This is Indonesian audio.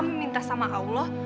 meminta sama allah